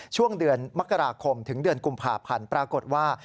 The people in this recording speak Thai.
ช่วงเดือนมกราคมถึงเดือนกุมภาพันธ์ปรากฏว่า